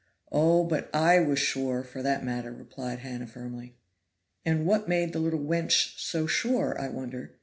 "Oh! but I was sure, for that matter," replied Hannah firmly. "And what made the little wench so sure, I wonder?"